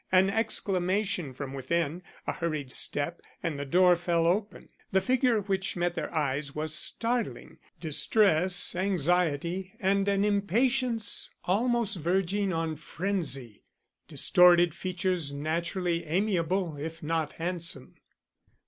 An exclamation from within, a hurried step, and the door fell open. The figure which met their eyes was startling. Distress, anxiety, and an impatience almost verging on frenzy, distorted features naturally amiable if not handsome.